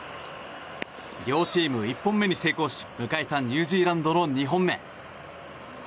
両チーム１本目に成功し迎えたニュージーランドの２本目。